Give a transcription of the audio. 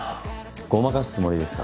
ごまかすつもりですか？